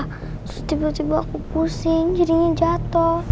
terus tiba tiba aku pusing jadinya jatuh